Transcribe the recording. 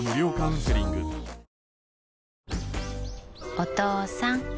お父さん。